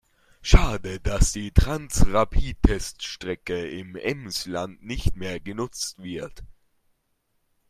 Schade, dass die Transrapid-Teststrecke im Emsland nicht mehr genutzt wird.